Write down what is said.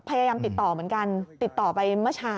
พยายามติดต่อเหมือนกันติดต่อไปเมื่อเช้า